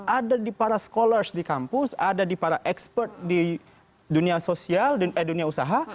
ada di para scholars di kampus ada di para expert di dunia usaha